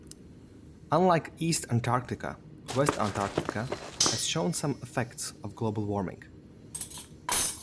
Unlike East Antarctica, West Antarctica has shown some effects of global warming.